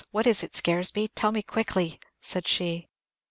What is it, Scaresby? Tell me quickly," cried she.